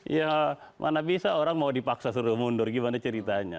ya mana bisa orang mau dipaksa suruh mundur gimana ceritanya